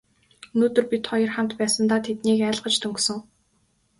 Өнөөдөр бид хоёр хамт байсандаа тэднийг айлгаж дөнгөсөн.